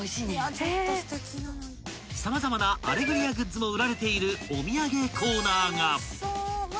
［様々な『アレグリア』グッズも売られているお土産コーナーが］